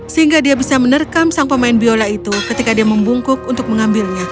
sehingga dia bisa menerkam sang pemain biola itu ketika dia membungkuk untuk mengambilnya